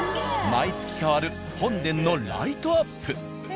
毎月変わる本殿のライトアップ。